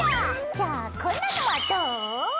じゃあこんなのはどう？